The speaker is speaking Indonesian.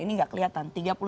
ini tidak kelihatan